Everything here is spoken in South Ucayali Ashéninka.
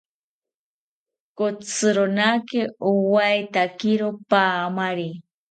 Kotzironaki owaetakiro paamari